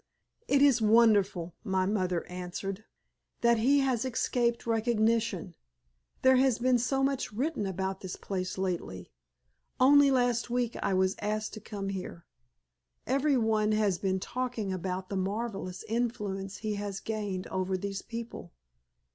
"It is wonderful," my mother answered, "that he has escaped recognition. There has been so much written about this place lately. Only last week I was asked to come here. Every one has been talking about the marvellous influence he has gained over these people."